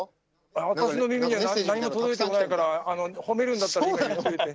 私の耳には何も届いていないから褒めるんだったら今よく言って。